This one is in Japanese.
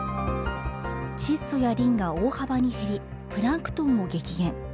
窒素やリンが大幅に減りプランクトンも激減。